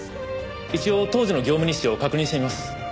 一応当時の業務日誌を確認してみます。